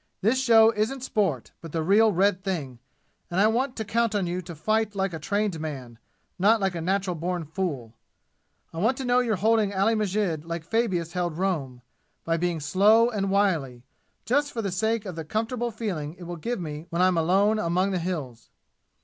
This show isn't sport, but the real red thing, and I want to count on you to fight like a trained man, not like a natural born fool. I want to know you're holding Ali Masjid like Fabius held Rome, by being slow and wily, just for the sake of the comfortable feeling it will give me when I'm alone among the 'Hills.'